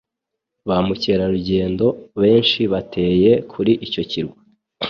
Ba mukerarugendo benshi bateye kuri icyo kirwa.